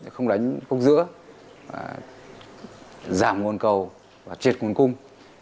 không đánh gốc giữa giảm nguồn cầu và triệt nguồn cung